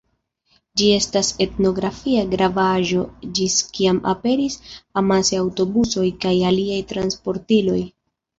Ĝi estis etnografia grava aĵo, ĝis kiam aperis amase aŭtobusoj kaj aliaj transportiloj.